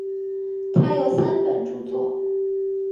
他有三本着作。